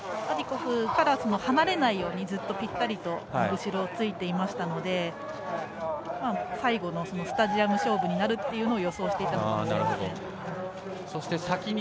アディコフから離れないようにずっと、ぴったりと後ろについていましたので最後のスタジアム勝負になるというのを予想していたのかもしれません。